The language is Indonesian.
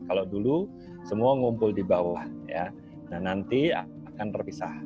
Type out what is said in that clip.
kalau dulu semua ngumpul di bawah nanti akan terpisah